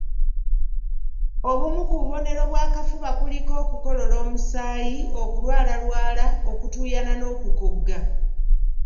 Obumu ku bubonero bw'akafuba kuliko okukolola omusaayi, okulwalalwala, okutuuyana n'okukogga